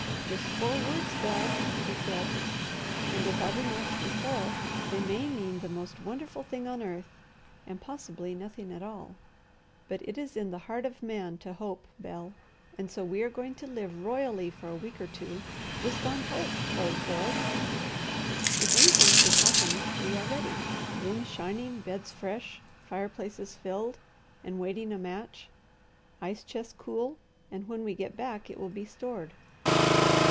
"Just four words, Bel," he said. "And, as I remarked before, they may mean the most wonderful thing on earth, and possibly nothing at all. But it is in the heart of man to hope, Bel, and so we are going to live royally for a week or two, just on hope, old boy. If anything should happen, we are ready, rooms shining, beds fresh, fireplaces filled and waiting a match, ice chest cool, and when we get back it will be stored.